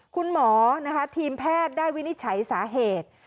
คุณหมอนะคะทีมแพทย์ได้วินิจฉัยสาเหตุ